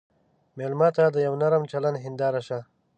مېلمه ته د یوه نرم چلند هنداره شه.